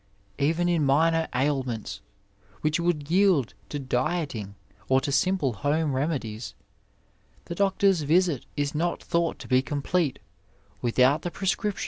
Even in minor ailments, which would yield to dieting or to simple home remedies, the doctor's visit is not thought to be complete without the prescription.